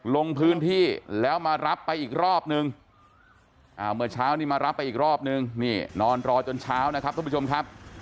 ลงพื้นที่แล้วมารับไปอีกรอบนึงเมื่อเช้านี้มารับไปอีกรอบนึงนี่นอนรอจนเช้านะครับทุกผู้ชมครับ